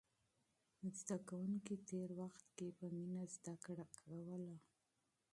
زده کوونکي تېر وخت کې په مینه زده کړه کوله.